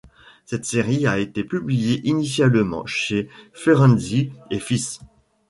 Cette série a été publiée initialement chez Ferenczi & fils.